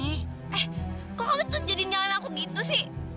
eh kok kamu tuh jadi nyalain aku gitu sih